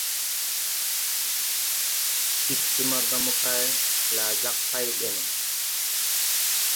Ig smaga mokay, laa jag pay ɓɛ no.